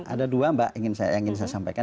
ada dua mbak yang ingin saya sampaikan